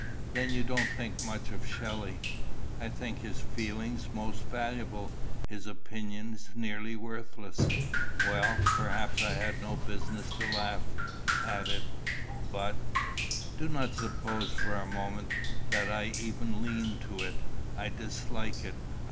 "Then you don't think much of Shelley?" "I think his feeling most valuable; his opinion nearly worthless." "Well, perhaps I had no business to laugh, at it; but " "Do not suppose for a moment that I even lean to it. I dislike it.